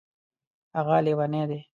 هغه لیونی دی